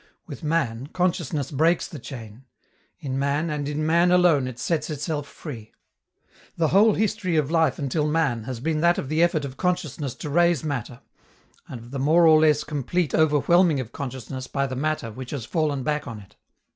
With man, consciousness breaks the chain. In man, and in man alone, it sets itself free. The whole history of life until man has been that of the effort of consciousness to raise matter, and of the more or less complete overwhelming of consciousness by the matter which has fallen back on it.